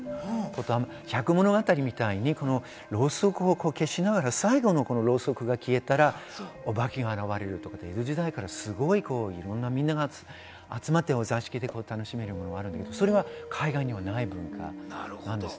百物語みたいに、ろうそくを消しながら、最後のろうそくが消えたら、お化けが現れるとか、江戸時代からすごくいろんな、みんなが集まって、お座敷で楽しめるものもあるけど、それは海外にはない文化です。